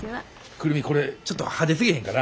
久留美これちょっと派手すぎへんかな？